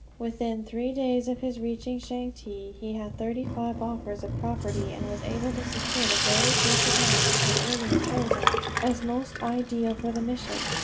Within three days of his reaching Changte he had thirty five offers of property, and was able to secure the very piece of land he had earlier chosen as most ideal for the mission.